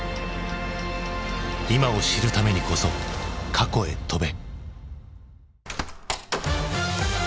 今を知るためにこそ過去へ飛べ。